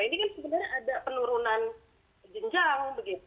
ini kan sebenarnya ada penurunan jenjang begitu